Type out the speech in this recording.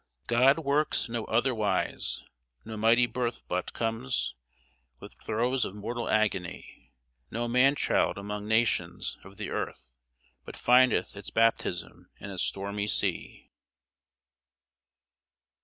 "God works no otherwise; no mighty birth But comes with throes of mortal agony; No man child among nations of the earth But findeth its baptism in a stormy sea."